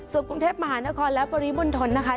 ส่วนกรุงเทพมหานครและปริมณฑลนะคะ